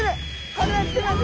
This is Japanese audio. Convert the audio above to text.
これはきてますよ！